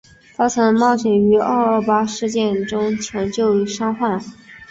她曾冒险于二二八事件中抢救伤患。